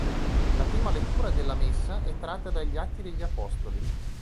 La prima lettura della Messa è tratta dagli Atti degli Apostoli.